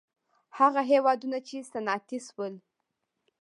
هغه هېوادونه چې صنعتي شول.